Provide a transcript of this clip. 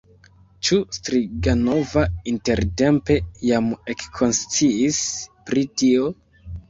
Ĉu Striganova intertempe jam ekkonsciis pri tio?